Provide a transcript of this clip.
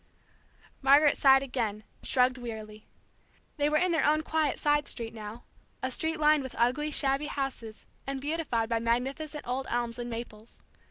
Margaret sighed again, shrugged wearily. They were in their own quiet side street now, a street lined with ugly, shabby houses and beautified by magnificent old elms and maples.